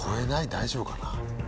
大丈夫かな？